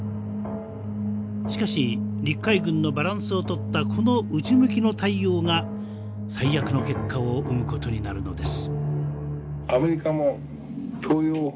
しかし陸海軍のバランスをとったこの内向きの対応が最悪の結果を生むことになるのです。